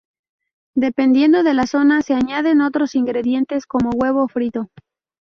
Dependiendo de la zona se añaden otros ingredientes como huevo frito.